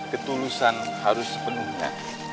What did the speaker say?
ketulusan harus sepenuhnya